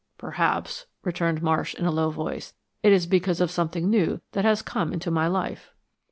"Perhaps," returned Marsh, in a low voice, "it is because of something new that has come into my life."